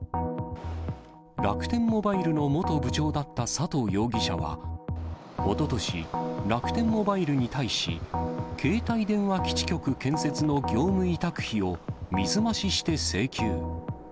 楽天モバイルの元部長だった佐藤容疑者は、おととし、楽天モバイルに対し、携帯電話基地局建設の業務委託費を水増しして請求。